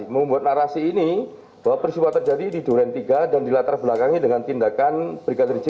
membuat narasi ini bahwa persibuatan terjadi di duren tiga dan di latar belakangnya dengan tindakan brigadir c